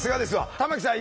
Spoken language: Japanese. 玉木さん